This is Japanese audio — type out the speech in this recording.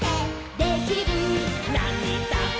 「できる」「なんにだって」